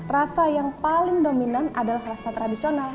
rasa yang paling dominan adalah rasa tradisional